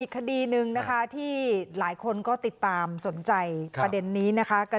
คดีหนึ่งนะคะที่หลายคนก็ติดตามสนใจประเด็นนี้นะคะ